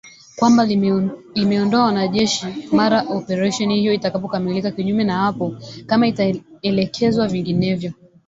kwamba lingeondoa wanajeshi mara operesheni hiyo itakapokamilika kinyume na hapo kama itaelekezwa vinginevyo